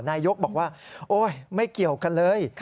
นายกบอกว่าโอ๊ยไม่เกี่ยวกันเลย